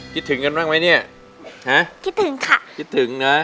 คิดถึงกันบ้างไหมเนี่ยฮะคิดถึงค่ะคิดถึงนะ